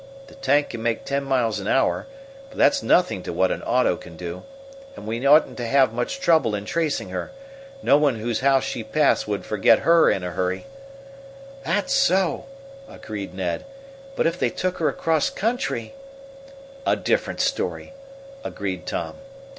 The tank can make ten miles an hour, but that's nothing to what an auto can do. And we oughtn't to have much trouble in tracing her. No one whose house she passed would forget her in a hurry." "That's so," agreed Ned. "But if they took her across country " "A different story," agreed Tom.